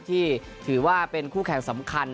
ที่ถือว่าเป็นคู่แข่งสำคัญ